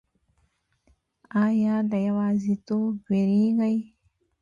ایا له یوازیتوب ویریږئ؟